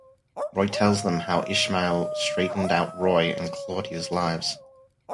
Roy tells them how Ishmael straightened out Roy and Claudia's lives.